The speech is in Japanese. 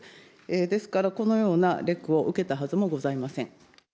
ですから、このようなレクを受けたはずもございません。